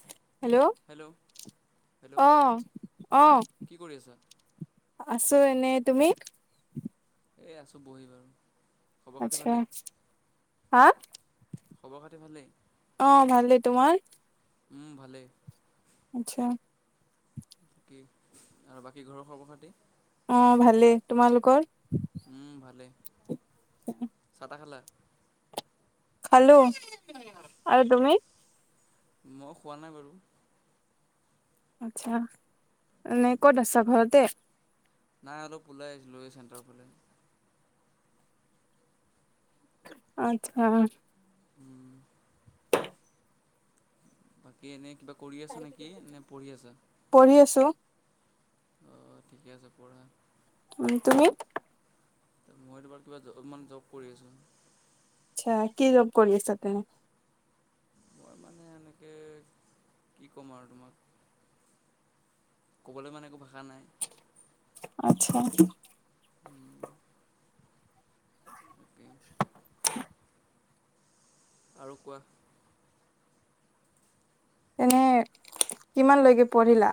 [inaudible] Hello hello অ অ কি কৰি আছা? আছো এনে তুমি এই আছোঁ বহি বাৰু খবৰ খাতি আচ্ছা ভালেই। হা খবৰ খাতি ভালেই অ ভাল এ তোমাৰ উম ভালেই- আচ্ছা। বাকি আৰু বাকী ঘৰৰ খবৰ খাতি অ ভালেই তোমালোকৰ উম ভালেই চাহ [unintelligible] তাহ খালা খালো আৰু তুমি মই খোৱা নাই বাৰু। আচ্ছা এনে ক'ত আছা ঘৰতে? নাই অলপ ওলাই আহিছিলোঁ এই চেণ্টাৰ ফালে। আত্ছা। উম বাকী এনে কিবা কৰি আছা নেকি নে পঢ়ি আছা? পঢ়ি আছো অ ঠিকে আছে পঢ়া। তুমি? মই তোমাৰ কিবা জব কৰি আছো। আ কি জব কৰি আছা তে? মই মানে এনেকে কি ক'ম আৰু তোমাক। ক'বলৈ মানে একো ভাষা নাই। আচ্ছা। তাকে। আৰু কোৱা তেনে কিমানলৈকে পঢ়িলা?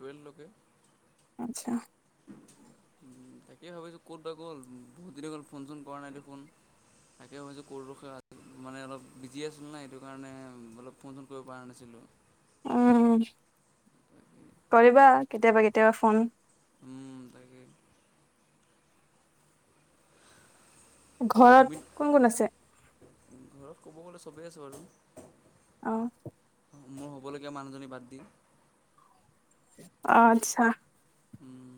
টুৱেলভ লৈকে। আতছা। তাকেইে ভাবিছো ক'ত বা গ'ল বহুত দিন হল ফোন চোন কৰা নাই দেখোন? তাকে ভাবিছোঁ কৰ ৰখা মানে অলপ বিজি আছিলো না সেইটো কাৰণে অলপ ফোন চোন কৰিব পৰা নাছিলোঁ। উম কৰিবা কেতিয়াবা কেতিয়াবা ফোন। উম, তাকে তাকে তুমি ঘৰত কোন কোন আছে? ঘৰত ক'ব গ'লে চবেই আছে বাৰু। অ। মোৰ হ'বলগীয়া মানুহজনী বাদ দি। অ আত্ছা। উম।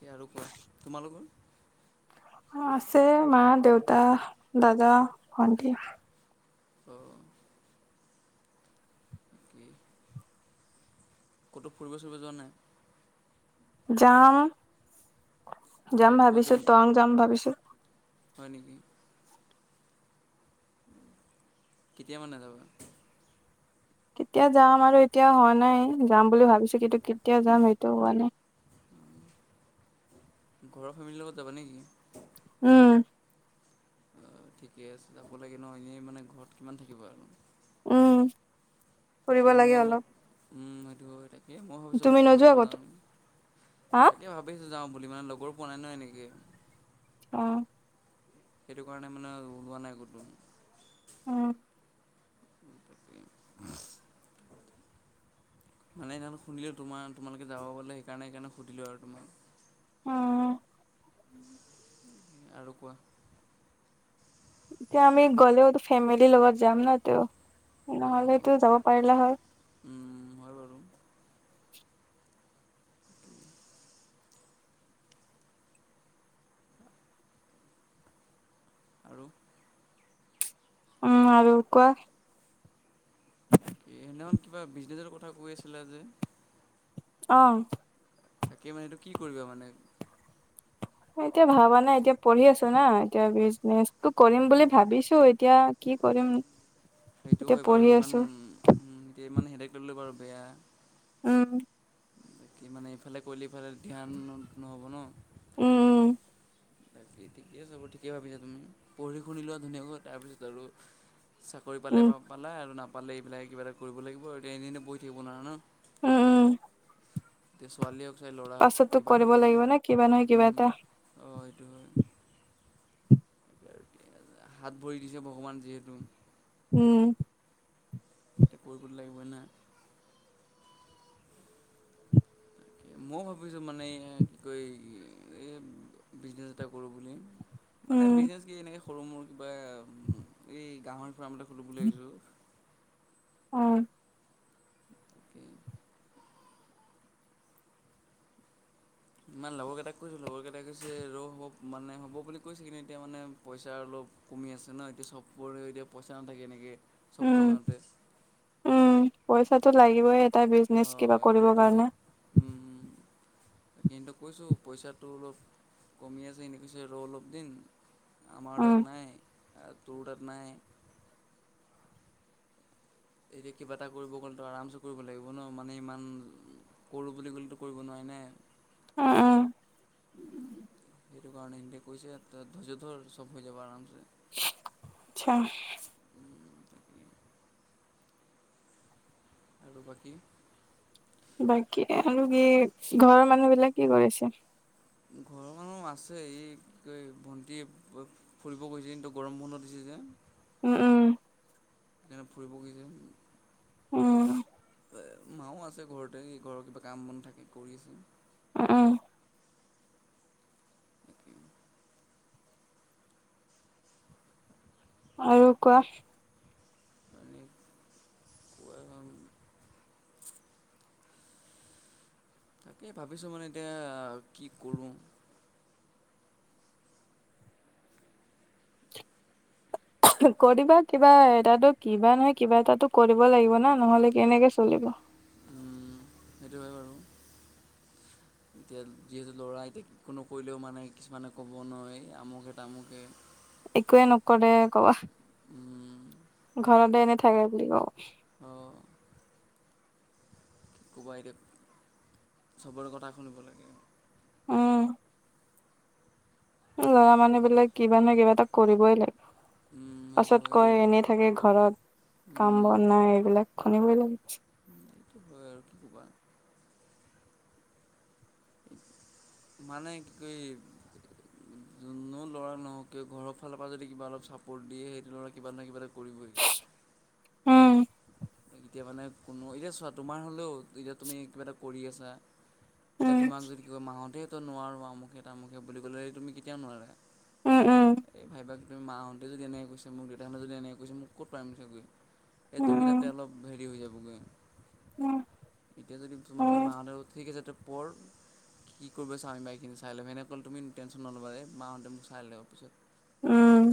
কি আৰু কোৱা তোমালোকৰ? আছে মা দেউতা দাদা ভন্টি। উম্। ক'তো ফুৰিব ফুৰিব যোৱা নাই? যাম যাম অঁ ক'ত ভাবিছো টৱাং যাম ভাবিছো। হয় নেকি? কেতিয়া মানে যাবা? কেতিয়া যাম আৰু এতিয়া হোৱা নাই যাম বুলি ভাবিছো কিন্তু কেতিয়া যাম সেইটো হোৱা নাই। ঘৰৰ ফেমিলিৰ লগত যাবা নেকি? উম। অ ঠিকে আছে যাব লাগে ন এনেই মানে ঘৰত কিমান থাকিব আৰু। উম তাকে ফুৰিব মই লাগে অলপ। সেইটো হয় তাকে মই ভাবিছোঁ অলপ তুমি নোযোৱা ফুৰিব কতো যাওঁ হা তাকে ভাবিছোঁ যাওঁ বুলি। লগৰো পোৱা নাই ন এনেকে। অ। সেইটো কাৰণে মানে ওলোৱা নাই ক'তো। উম। তাকে। [unintelligible] মানে সেইদিনা শুনিলোঁ তোমাৰ তোমালোকে যাব বুলি সেইকাৰণে সেইকাৰণে সুধিলোঁ আৰু তোমাক। উম্। আৰু কোৱা। এতিয়া আমি গ'লেওটো ফেমিলিৰ লগত যাম ন। ত নহলেটো যাব পাৰিলা হয়। হয় বাৰু আৰু উম আৰু কোৱা সেইদিনাখন কিবা বিজনেছৰ কথা কৈ আছিলে যে অ তাকে মানে এইটো কি কৰিবা মানে এতিয়া ভবা নাই এতিয়া পঢ়ি আছো ন এতিয়া বিজনেচটো কৰিম বুলি অঁ ভাবিছো এতিয়া কি কি কৰিম সেইটো এতিয়া হয় পঢ়ি বাৰু ইমান আছো উ এতিয়া ইমান হেডক ললে বাৰু বেয়া উম বাকী মানে এইফালে কৰিলে ইফালে ধ্যান নহব ন উম উম বাকী ঠিকে আছে ব ঠিকে ভাবিছা তুমি পঢ়ি শুনি লোৱা ধুনীয়াকৈ তাৰপিছত আৰু চাকৰি পালে উম পালে আৰু নাপালে এইবিলাকে কিবা এটা কৰিব লাগিব এতিয়া এনেই বহি থাকিব নোৱাৰা ন উম উম এতিয়া ছোৱালী হওক চাই ল'ৰা হওক পাছতো কিবাটো কৰিব লাগিব কৰিবই ন কিবা নহয় কিবা এটা উ অ সেইটো হয় হাত ভৰি দিছে ভগৱানে যিহেতু উম এয়া কৰিব লাগিবই না তাকে মই ভাবিছোঁ মানে কি কয় এই বিজনেছ এটা কৰোঁ বুলি মানে উম, বিজনেচ কি এনেকে সৰু মোৰ কিবা এই গাহৰি ফ্ৰাম খুলো বুলি ভাবিছোঁ অ তাকে ইমান লগৰ কেইটাক কৈছো লগৰ কেইটাই কৈছে ৰৌ হ'ব মানে হব বুলি কৈছে কিন্তু এতিয়া মানে পইচা অলপ কমি আছে ন এতিয়া চবৰে এতিয়া পইচা নেথাকে এনেকে উম উম পইচাটো লাগিবই এটা বিজনেছ কিবা কৰিব কাৰণে কিন্ত কৈছোঁ পইচাটো অলপ কমি আছে এনে কৈছে ৰ অলপ দিন আমাৰ উম, তাত নাই টোৰ তাত নাই এতিয়া কিবা এটা কৰিব গলেতো তোমাৰ আৰামচ কৰিব লাগিব ন মানে ইমান কৰো বুলি ক'লেতো কৰিব নোৱাৰি নে অ অ সেইটো কাৰণে সে কৈছে ধৰ্য ধৰ চব হৈ যাব আৰামছে আচ্ছা আৰু বাকী বাকী আৰু কি ঘৰৰ মানুহ বিলাক কি কৰিছে ঘৰৰ মানুহ আছে এ কি কয় ভন্টি ফুৰিব গৈছে কিন্তু গৰম বন্ধত দিছে জে উম, উম, সেইকাৰণে ফুৰিব গৈছে উম মায়ো আছে ঘৰতে ঘৰৰ কিবা কাম বন থাকে কৰি আছে অ অ আৰু কোৱা মানে তাকে ভাবিছোঁ মানে এতিয়া কি কৰোঁ [inaudible] কৈ দিবা কিবা এটাতো কিবা নহয় কিবা এটাতো কৰিব লাগিব না নহলে কেনেকে চলিব উম সেইটো হয় বাৰু এতিয়া যিহেতু ল'ৰা এতিয়া কোনো কৰিলেও মানে কিছুমানে ক'ব নোৱাৰি আমুকে তামুকে একোৱে নকৰে কব ঘৰতে এনে থাকে বুলি কব অঁ কি কবা এতিয়া চবৰে কথা শুনিব লাগে উম, ল'ৰা মানুহ বিলাক কিবা নহয় কিবা এটা কৰিবই লাগে উম পাছত কয় এনেই থাকে ঘৰত কাম বন নাই এইবিলাক শুনিবই লাগে কৈ আৰু কি ক'বা মানে কি কৰি যোনো ল'ৰা নহও কিয় ঘৰৰ ফালৰ পৰা যদি কিবা অলপ চাপৰ্ট দিয়ে সেইটো ল'ৰা কিবা নহয় কিবা এটা কৰিবই [inaudible] উম তাৰ মানে কোনো এতিয়া চোৱা তোমাৰ হ'লেও এতিয়া তুমি কিবা এটা কৰি আছা এয়া উম, তোমাক যদি কয় মাহঁতে তো নোৱাৰোঁ আমুখে তামুখে বুলি ক'লে তুমি কেতিয়াও নোৱাৰা উম, উম, এই ভাইবা তুমি মাহত দে যদি এনে কৈছে মোক দেউাাহঁনে যদি এনোই কৈছে মোক ক'ত পাৰিছছে গৈ এই তুমি তাত উম, অলপ হেৰি হৈ যাবগৈ উম, এতিয়া যদি তোমালোকে মাহঁতে ঠিক ওপৰ কি কৰিব চা এইবাৰএইখিন চাই ল'ম সেনেক'লে তুমি টেনচন নলবা যে মাহঁতে মোক চাই লব পিছত উম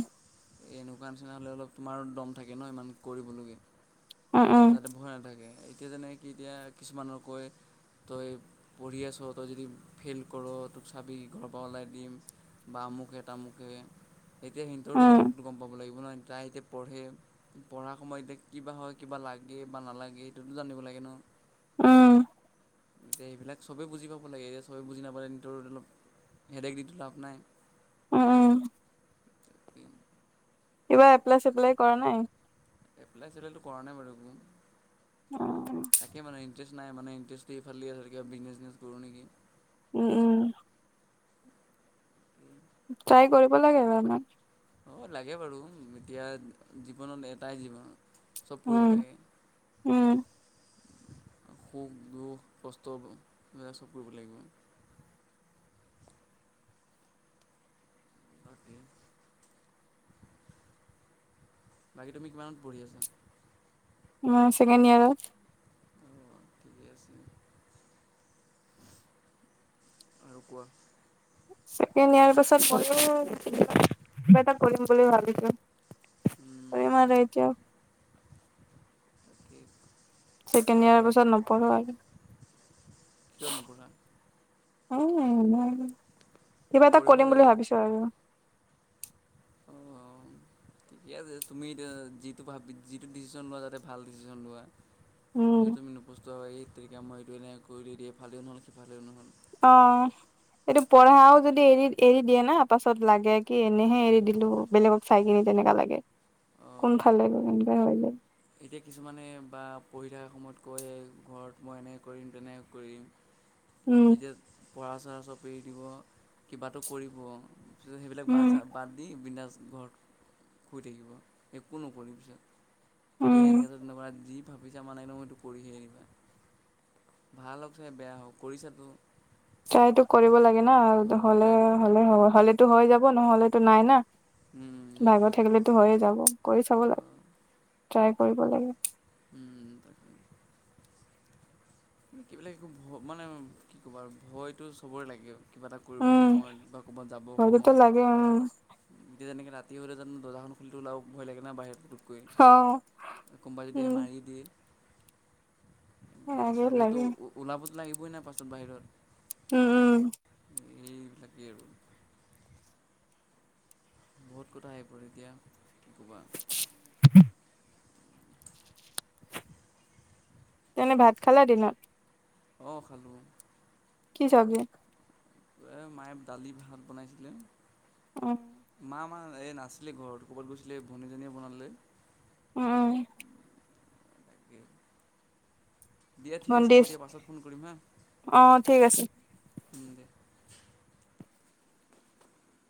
এনেকুৱা নিচিনা হ'লে অলপ তোমাৰ দম থাকে ন ইমান কৰিবলগীয়া উম, উম, উম, যাতে ভয় নাথাকে এতিয়া যেনে কি এতিয়া কিছুমানকৈ তই পঢ়ি আছ তই যদি ফেইল কৰ তোক চাবি ঘৰৰ পৰা ওলাই দিম। বা আমুকে তামুকে এতিয়া সিহঁতৰ দুখ উম, লাগিব ন তাই এতিয়া পঢ়ে পঢ়াৰ সময়ত এতিয়া কিবা হয় কিবা লাগে বা নালাগে সেইটোতো জানো শুনিব লাগে ন উম এতিয়া সেইবিলাক চবেই বুজি পাব লাগে এতিয়া চবে বুজি নাপালে নিজৰ অলপ হেডেক দি টো লাভ নাই উম সপ কিবা এপ্লাই চেপ্লাই কৰা নাই। এপ্লাই সেপ্লয়টো কৰা নাই বাৰু এক অ ইণ্টাৰেষ্ট নাই মানে ইটাৰেষ্ট দিইফালে আছেব বিজনেজনেছ কৰো নেকি উম উম তাই কৰিব লাগে বাৰু এবাৰ মান অঁ লাগে বাৰু এতিয়া জীৱনত এটাই জীৱন চব কৰিব উম লাগে উম সুখ দুখ কষ্ট এইবিলাক চব কৰিব লাগিব। বাকী বাকী তুমি কিমানত পঢ়ি আছা? উম চেকেণ্ড ইয়াৰত অ ঠিকে আছে। আৰু কোৱা ছেকেণ্ডইয়াৰ পাছত মই কিব এটা কৰিম বুলি ভাবিছো। আৰু ইমান ৰাতি তাকে ছেকেণ্ড পঢ়া ইয়াৰ কৰা পিছত নপঢ়ো আৰু কিয় নপঢ়া উম কিবা এটা পঢ়িব কৰিম লাগে বুলি ভাবিছো আৰু। অঁ ঠিকে আছে তুমি যিটো ভাব যিটো ডিচিশ্যন লোৱা যাতে ভাল ডিচিশন লোৱা। উম, যদি তুমি নপষ্টোৱা এই তেৰিকা মই এইটো এনেই কৰিলে দিয়ে ভালেও নহ'ল সি ভালেও নহ'ল। অ এইটো পঢ়াও যদি এৰি এৰি দিয়ে না পাছত লাগে কি এনেহে এৰি দিলো বেলেগক চাই কিনি। তেনেকা লাগে অঁ কোনফাল লাগিব এনো হয় লাগে। এতিয়া কিছুমানে বা পঢ়ি থকা সময়ত কৈ ঘৰত মই এনেক কৰিম তেনেক কৰিম। উম তেতিয়া পঢ়া চহা চব এৰি দিব কিবাটো কৰিব। তাৰ পিছত সেইবিলাক but um so but the বিন্দাছ ঘৰত শুই থাকিব। একো নকৰি পিছত সে উম এনেকৈ যদি তেনেকুৱা যি ভাবিছা মানে একদো মইতো কৰিহি আনিবা ভাল হওক চ বেয়া হওক কৰিছাতো চাইতটো কৰিব লাগে ন অঁ হ'লে ট্ৰাইটো কৰিব হ'লে লাগিব হব হলেতো হৈ যাব নহ'লেতো নাই। না উম ভাগৰ সেইটোৱে থাকিলেতো হৈয়ে যাব কৰি চাব লাগে। অঁ ট্ৰাই কৰিব লাগে। উম এই বিলাক একো ভয় মানে কি ক'বা আৰু ভয়টো চবৰে লাগে। কিবা এটা কৰিবৰ উম সমোয় বা ক'ৰবাত যাবৰ ভয়টোতো সমোয়। লাগে উম তেতিয়ানে ৰাতি হ'লে জান দাখন খুলিওক ভয় লাগে ন বাহিৰতো। অ কোনবা যদিহে উম মাৰি দিয়ে। লাগে নিচিনা পিছতো লাগে ওলাব লাগিবই নাই পাছত বাহিৰত। উম উম। এইবিলাকেই আৰু। বহুত কথা আহি পৰে এতিয়া কোবা। তেনে ভাত খালা দিনত। অঁ খালো। কি চাবজি। এ মায়ে দালি ভাত বনাইছিলে। অহ। মা আমাৰ এই নাছিলে ঘৰত ক'ৰবাত গৈছিলে ভনীজনীয়ে বনালে। উম। তাকে। দিয়া ঠিক আছে হ'ব ভণ্টিছ দিয়া পাছত ফোন কৰিম হা। অ ঠিক আছে উ দেয়া